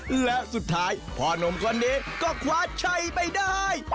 และสุดท้ายพ่อนมคนนี้ก็คว้าชัยไปได้